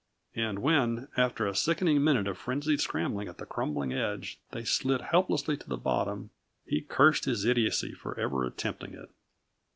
And when, after a sickening minute of frenzied scrambling at the crumbling edge, they slid helplessly to the bottom, he cursed his idiocy for ever attempting it.